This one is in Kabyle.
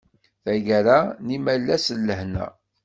Tagara n imalas n lehna!